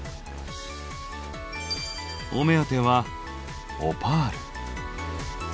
お目当てはオパール。